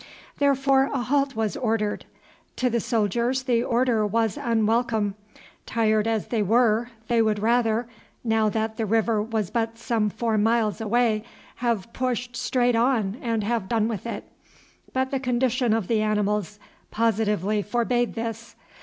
Therefore a halt was ordered. To the soldiers the order was unwelcome; tired as they were, they would rather, now that the river was but some four miles away, have pushed straight on and have done with it. But the condition of the animals positively forbade this.